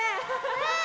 うん！